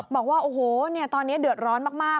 บอกว่าโอ้โหตอนนี้เดือดร้อนมาก